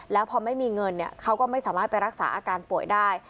แล้วพอไม่มีเงินเขาก็ไม่สามารถไปรักษาอาการป่วยได้